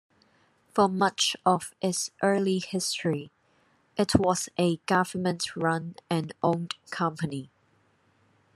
For much of its early history, it was a government-run and owned company.